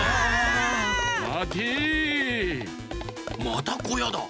またこやだ。